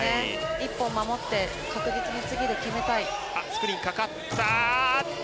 １本守って、確実に次で決めたい。